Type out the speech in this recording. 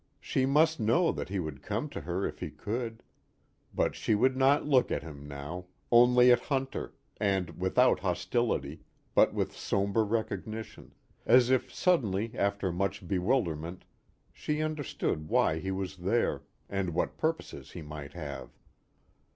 She must know that he would come to her if he could; but she would not look at him now only at Hunter, and without hostility, but with somber recognition, as if suddenly after much bewilderment she understood why he was there and what purposes he might serve.